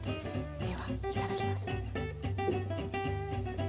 ではいただきます。